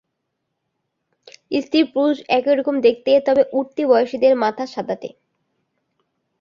স্ত্রী-পুরুষ একই রকম দেখতে, তবে উঠতি বয়সীদের মাথা সাদাটে।